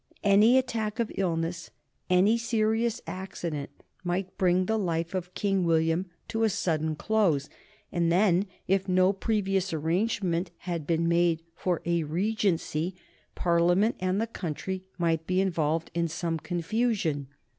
Any attack of illness, any serious accident, might bring the life of King William to a sudden close, and then if no previous arrangement had been made for a regency Parliament and the country might be involved in some confusion.